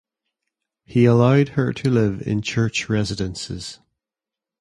He allowed her to live in church residences.